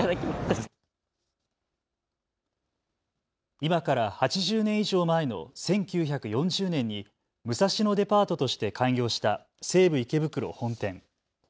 今から８０年以上前の１９４０年に武蔵野デパートとして開業した西武池袋本店。